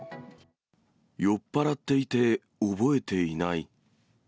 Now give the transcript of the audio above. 酔っぱらっていて覚えていない。